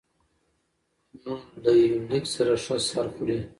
نو له يونليک سره ښه سر خوري